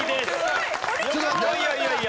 いやいやいやいや。